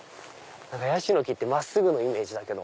ヤシの木って真っすぐのイメージだけど。